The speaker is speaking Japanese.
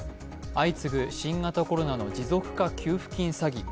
相次ぐ新型コロナの持続化給付金詐欺。